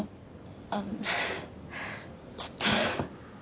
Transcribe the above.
あっちょっと。